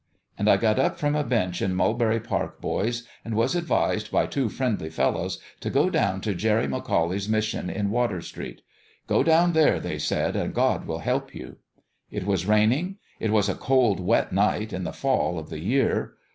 And I got up from a bench in Mulberry Park, boys, and was advised, by two friendly fellows, to go down to Jerry McAuley's mission in Water Street. ' Go down there,' they said, ' and God will help you/ It was raining. It was a cold, wet night in the fall of the year.